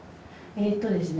えとですね